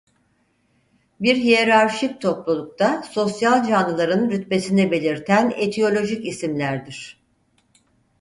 Bir hiyerarşik toplulukta sosyal canlıların rütbesini belirten etiyolojik isimlerdir.